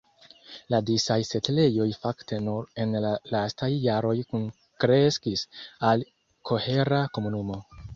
La disaj setlejoj fakte nur en la lastaj jaroj kunkreskis al kohera komunumo.